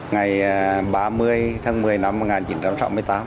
ngày ba mươi tháng một mươi năm một nghìn chín trăm sáu mươi tám